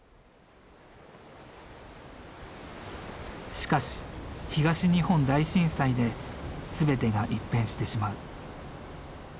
しかし東日本大震災で全てが一変してしまう。